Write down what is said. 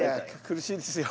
苦しいですよ。